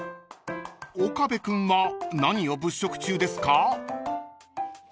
［岡部君は何を物色中ですか？］